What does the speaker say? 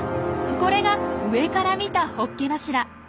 これが上から見たホッケ柱。